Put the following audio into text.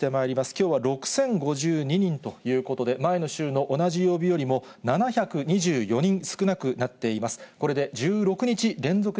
きょうは６０５２人ということで、前の週の同じ曜日よりも、７２４人少なくなっています。